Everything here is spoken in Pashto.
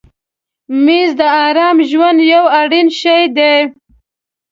مېز د آرام ژوند یو اړین شی دی.